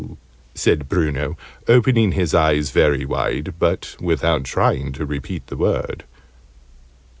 said Bruno, opening his eyes very wide, but without trying to repeat the word.